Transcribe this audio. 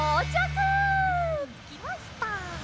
つきました。